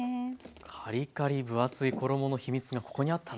カリカリ分厚い衣の秘密がここにあったんですね。